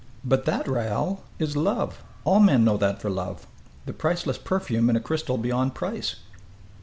"But that, Raoul, is love! All men know that for love. The priceless perfume in a crystal beyond price."